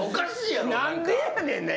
何でやねんな！